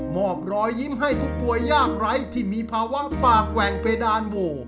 อบรอยยิ้มให้ผู้ป่วยยากไร้ที่มีภาวะปากแหว่งเพดานโว